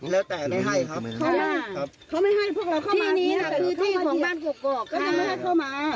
แล้วพูดมาจากไหนคะ